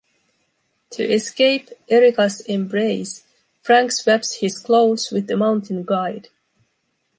To escape Erika’s embrace, Frank swaps his clothes with a mountain guide.